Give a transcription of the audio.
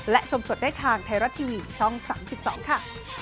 และชมสดได้ทางไทยรัฐทีวีช่อง๓๒ค่ะ